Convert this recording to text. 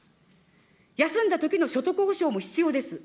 休んだときの所得補償も必要です。